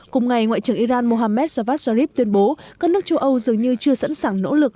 cùng ngày ngoại trưởng iran mohammad javad sharif tuyên bố các nước châu âu dường như chưa sẵn sàng nỗ lực